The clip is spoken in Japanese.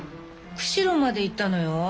釧路まで行ったのよ。